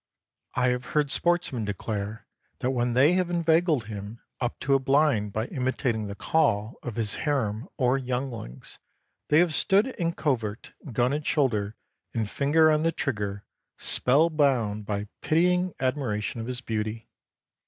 I have heard sportsmen declare that when they have inveigled him up to a blind by imitating the call of his harem or younglings, they have stood in covert, gun at shoulder and finger on the trigger, spell bound by pitying admiration of his beauty.